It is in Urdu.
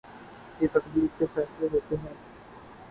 یہ تقدیر کے فیصلے ہوتے ہیں۔